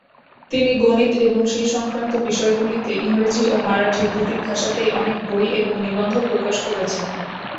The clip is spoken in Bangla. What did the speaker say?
তিনি গণিত এবং সেই সংক্রান্ত বিষয়গুলিতে ইংরেজি ও মারাঠি দুটি ভাষাতেই অনেক বই এবং নিবন্ধ প্রকাশ করেছেন।